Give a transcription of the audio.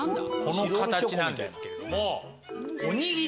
このカタチなんですけれども。